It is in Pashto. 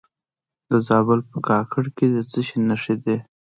د زابل په کاکړ کې د څه شي نښې دي؟